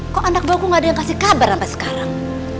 kok anak buahku gak ada yang kasih kabar sampai sekarang